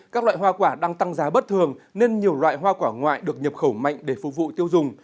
các loại hoa quả đang tăng giá bất thường nên nhiều loại hoa quả ngoại được nhập khẩu mạnh để phục vụ tiêu dùng